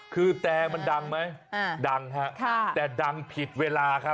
คือแต่มันดังไหมดังฮะแต่ดังผิดเวลาครับ